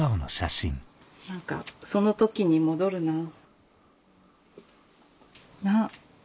何かその時に戻るなぁ。